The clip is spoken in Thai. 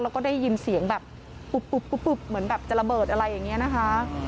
แล้วก็ได้ยินเสียงแบบปุ๊บปุ๊บเหมือนแบบจะระเบิดอะไรอย่างนี้นะคะ